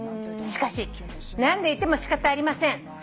「しかし悩んでいても仕方ありません」